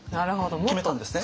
決めたんですね。